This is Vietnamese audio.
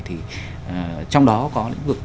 thì trong đó có lĩnh vực